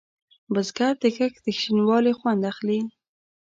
بزګر د کښت د شین والي خوند اخلي